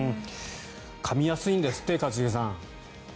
かみやすいんですって一茂さん。